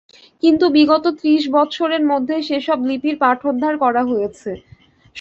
কিন্তু বিগত ত্রিশ বৎসরের মধ্যে সে-সব লিপির পাঠোদ্ধার করা হয়েছে।